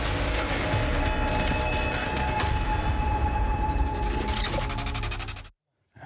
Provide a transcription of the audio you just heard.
จบ